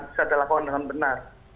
bisa dilakukan dengan benar